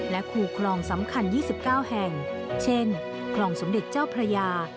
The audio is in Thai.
และคู่คลองสำคัญ๒๙แห่งเช่นคลองสมเด็จเจ้าพระยา